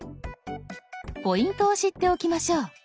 ポイントを知っておきましょう。